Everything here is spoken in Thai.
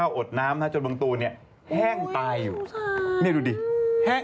ไม่ใช่เราจะเพาะเพื่อ